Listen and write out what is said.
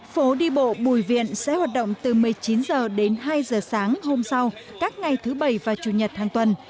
phố đi bộ bùi viện sẽ hoạt động từ một mươi chín h đến hai h sáng hôm sau các ngày thứ bảy và chủ nhật hàng tuần